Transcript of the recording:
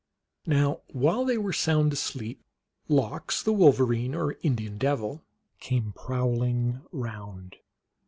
Now while they were sound asleep, Lox, the Wol verine, or Indian Devil, came prowling round.